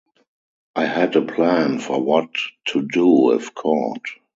I had a plan for what to do if caught.